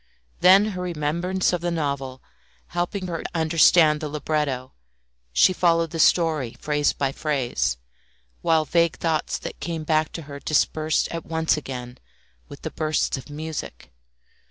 Then her remembrance of the novel helping her to understand the libretto, she followed the story phrase by phrase, while vague thoughts that came back to her dispersed at once again with the bursts of music.